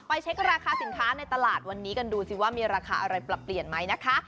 เช็คราคาสินค้าในตลาดวันนี้กันดูสิว่ามีราคาอะไรปรับเปลี่ยนไหมนะคะ